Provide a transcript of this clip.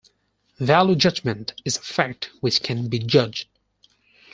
Value judgement is a fact which can be judged.